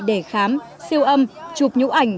để khám siêu âm chụp nhũ ảnh